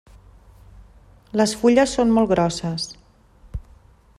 Les fulles són molt grosses.